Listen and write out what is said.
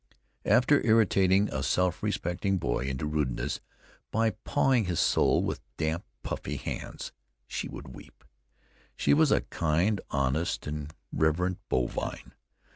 For after irritating a self respecting boy into rudeness by pawing his soul with damp, puffy hands, she would weep. She was a kind, honest, and reverent bovine.